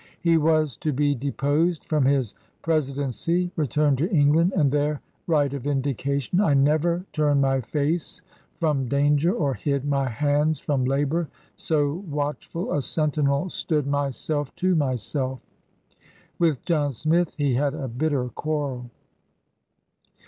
He was to be deposed from his presidency, return to Eng land, and there write a vindication. ""I never turned my face from daunger, or hidd my handes from labour; so watchful a sentinel stood myself to myself/' With John Smith he had a bitter quarrel.